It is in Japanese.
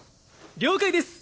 了解です！